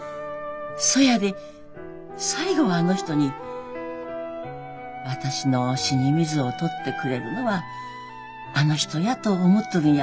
そやで最期はあの人に私の死に水を取ってくれるのはあの人やと思っとるんや。